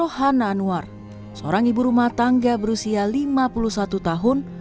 rohana anwar seorang ibu rumah tangga berusia lima puluh satu tahun